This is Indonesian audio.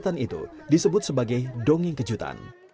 kegiatan itu disebut sebagai dongeng kejutan